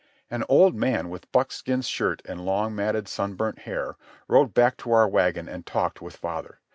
An old man, with buckskin shirt and long, matted, sunburnt hair, rode back to our wagon and talked with father.